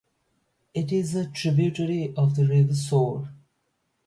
It is a tributary of the River Soar.